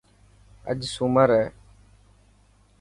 اڄ سومر هي.